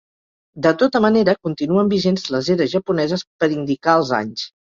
De tota manera, continuen vigents les eres japoneses per indicar els anys.